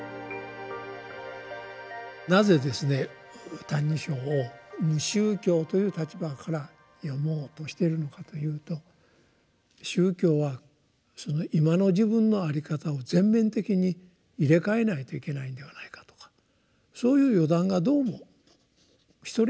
なぜですね「歎異抄」を無宗教という立場から読もうとしてるのかというと宗教は今の自分のあり方を全面的に入れ替えないといけないのではないかとかそういう予断がどうも一人歩きしてるんですね。